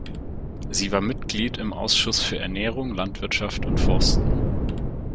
Sie war Mitglied im Ausschuss für Ernährung, Landwirtschaft und Forsten.